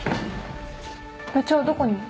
部長どこに？